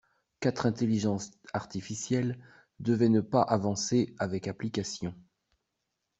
Quatre intelligences artificielles devaient ne pas avancer avec application.